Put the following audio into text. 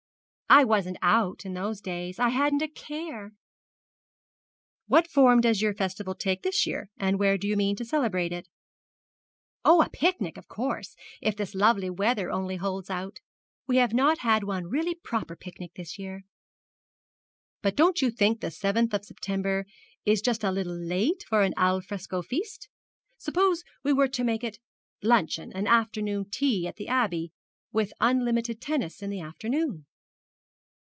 'I wasn't out in those days, and I hadn't a care.' 'What form does your festival take this year? and where do you mean to celebrate it?' 'Oh, a picnic, of course, if this lovely weather only holds out. We have not had one really proper picnic this year.' 'But don't you think the seventh of September is just a little late for an al fresco feast? Suppose we were to make it luncheon and afternoon tea at the Abbey, with unlimited tennis in the afternoon.'